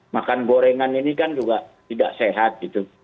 makan gorengan ini kan juga tidak sehat gitu